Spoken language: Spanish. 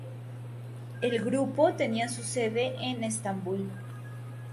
El grupo tenía su sede en Estambul.